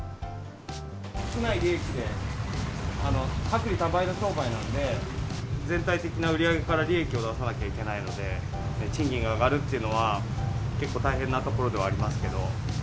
少ない利益で、薄利多売の商売なんで、全体的な売り上げから利益を出さなきゃいけないので、賃金が上がるっていうのは、結構大変なところではありますけど。